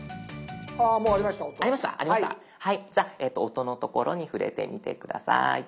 じゃあ「音」の所に触れてみて下さい。